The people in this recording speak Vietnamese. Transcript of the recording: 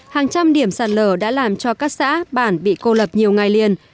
hàng trăm điểm sạt lở đã làm cho các xã bản bị cô lập nhiều ngày liền